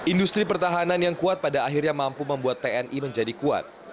industri pertahanan yang kuat pada akhirnya mampu membuat tni menjadi kuat